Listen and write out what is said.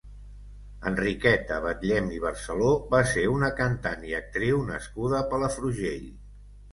Enriqueta Batllem i Barceló va ser una cantant i actriu nascuda a Palafrugell.